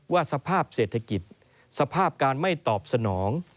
สภาพเศรษฐกิจสภาพการไม่ตอบสนอง